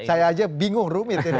saya aja bingung rumit ini